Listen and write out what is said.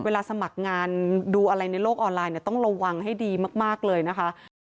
สมัครงานดูอะไรในโลกออนไลน์เนี่ยต้องระวังให้ดีมากเลยนะคะ